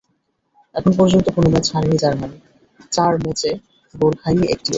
এখন পর্যন্ত কোনো ম্যাচ হারেনি জার্মানি, চার ম্যাচে গোল খায়নি একটিও।